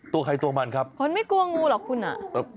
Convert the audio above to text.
ตัวใครตัวมันครับคนไม่กลัวงูหรอกคุณอ่ะ